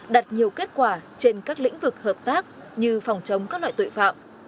đặt nhiều kết quả trên các lĩnh vực hợp tác như phòng chống các loại tội phạm